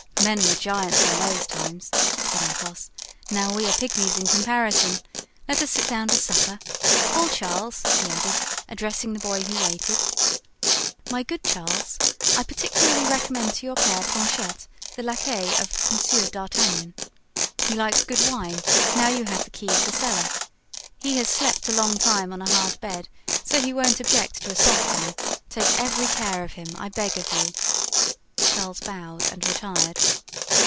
Men were giants in those times," said Athos; "now we are pigmies in comparison. Let us sit down to supper. Call Charles," he added, addressing the boy who waited. "My good Charles, I particularly recommend to your care Planchet, the laquais of Monsieur D'Artagnan. He likes good wine; now you have the key of the cellar. He has slept a long time on a hard bed, so he won't object to a soft one; take every care of him, I beg of you." Charles bowed and retired.